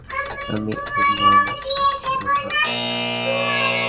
আমি এবং মা মাছ খাচ্ছিলাম, ভালো সময় কাটছিল।